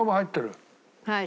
はい。